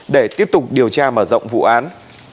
để tiếp tục điều tra mở rộng vụ án